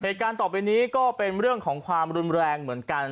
เหตุการณ์ต่อไปนี้ก็เป็นเรื่องของความรุนแรงเหมือนกัน